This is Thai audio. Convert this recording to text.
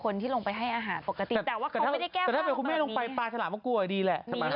คนยังกลัวคุณแม่บ้างต้องกลัวเลย